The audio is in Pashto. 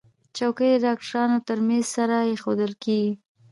چوکۍ د ډاکټر تر میز سره ایښودل کېږي.